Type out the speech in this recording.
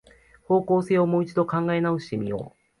方向性をもう一度考え直してみよう